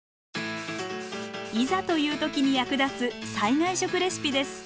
いざという時に役立つ災害食レシピです。